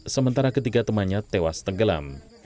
sementara ketiga temannya tewas tenggelam